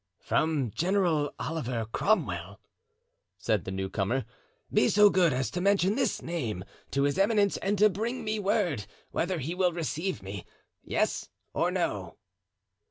"From General Oliver Cromwell," said the new comer. "Be so good as to mention this name to his eminence and to bring me word whether he will receive me—yes or no."